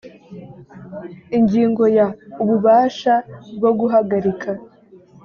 ingingo ya ububasha bwo guhagarika